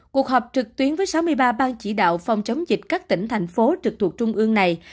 cuộc họp trực tuyến với sáu mươi ba ban chỉ đạo phòng chống dịch các tỉnh thành phố trực thuộc trung ương này